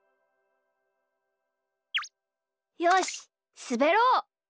よしすべろう！